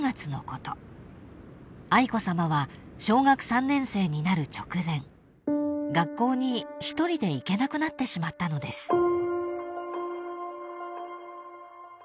［愛子さまは小学３年生になる直前学校に一人で行けなくなってしまったのです］